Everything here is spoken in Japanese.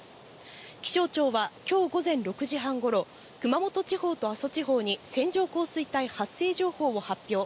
気象庁はきょう午前６時半ごろ、熊本地方と阿蘇地方に線状降水帯発生情報を発表。